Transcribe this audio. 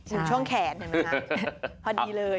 หนึ่งช่วงแขนเพราะดีเลย